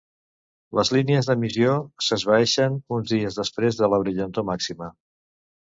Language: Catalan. Les línies d'emissió s'esvaeixen uns dies després de la brillantor màxima.